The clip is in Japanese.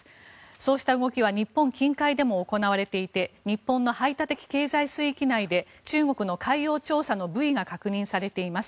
そうした動きは日本近海でも行われていて日本の排他的経済水域内で中国の海洋調査のブイが確認されています。